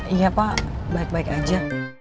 iya pak baik baik aja